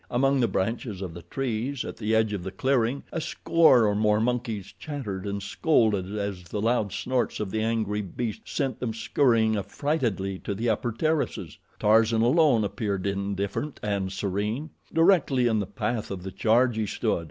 Among the branches of the trees at the edge of the clearing, a score or more monkeys chattered and scolded as the loud snorts of the angry beast sent them scurrying affrightedly to the upper terraces. Tarzan alone appeared indifferent and serene. Directly in the path of the charge he stood.